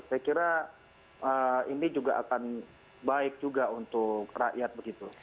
saya kira ini juga akan baik juga untuk rakyat begitu